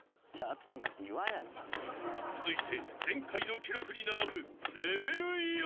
［続いて前回の記録に並ぶ］